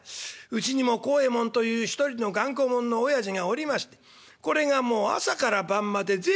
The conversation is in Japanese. うちにも孝右衛門という１人の頑固もんの親父がおりましてこれがもう朝から晩まで銭をためる一方。